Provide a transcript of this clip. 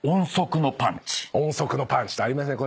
音速のパンチってありますね。